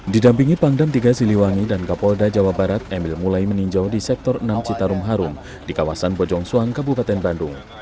didampingi pangdam tiga siliwangi dan kapolda jawa barat emil mulai meninjau di sektor enam citarum harum di kawasan bojong suang kabupaten bandung